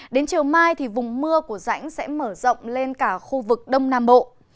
đến chiều mai thì vùng mưa của rãnh sẽ mở rộng lên cả khu vực đông nam bộ